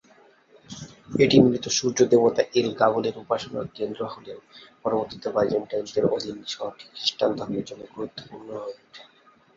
এটি মূলত সূর্য দেবতা এল-গাবালের উপাসনার কেন্দ্র হলেও পরবর্তীতে বাইজেন্টাইনদের অধীনে শহরটি খ্রিষ্টান ধর্মের জন্য গুরুত্বপূর্ণ হয়ে উঠে।